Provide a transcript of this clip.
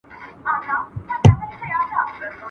¬ بلا پر بلا واوښته، بلا بوڅ کوني را واوښته.